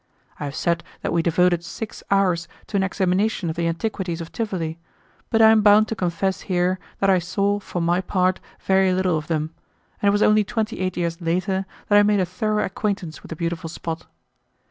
I have said that we devoted six hours to an examination of the antiquities of Tivoli, but I am bound to confess here that I saw, for my part, very little of them, and it was only twenty eight years later that I made a thorough acquaintance with the beautiful spot.